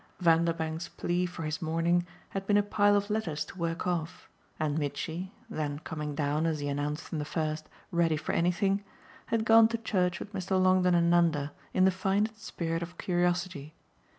Vanderbank's plea for his morning had been a pile of letters to work off, and Mitchy then coming down, as he announced from the first, ready for anything had gone to church with Mr. Longdon and Nanda in the finest spirit of curiosity.